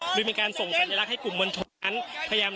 โดยมีการส่งสัญลักษณ์ให้กลุ่มมวลชนนั้นพยายาม